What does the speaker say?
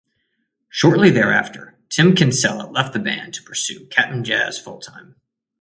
Shortly thereafter, Tim Kinsella left the band to pursue Cap'n Jazz full-time.